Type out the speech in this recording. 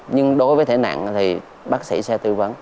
nhưng đối với thể nặng thì bác sĩ sẽ tư vấn